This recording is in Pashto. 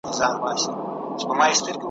و مقصد ته رسیدل کار د ازل دئ.